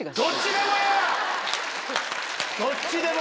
どっちでも！